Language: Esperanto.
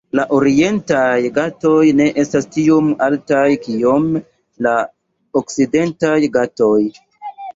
La Orientaj Ghatoj ne estas tiom altaj kiom la Okcidentaj Ghatoj.